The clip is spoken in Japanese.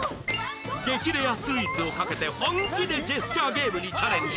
激レアスイーツをかけて本気でジェスチャーゲームにチャレンジ